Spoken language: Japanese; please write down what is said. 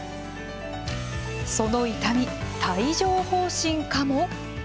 その痛み、帯状ほう疹かも。